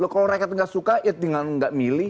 kalau rakyat gak suka ya tinggal gak milih